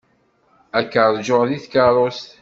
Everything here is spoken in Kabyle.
Ad k-ṛjuɣ deg tkeṛṛust.